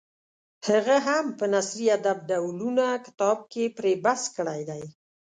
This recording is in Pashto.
هغه هم په نثري ادب ډولونه کتاب کې پرې بحث کړی دی.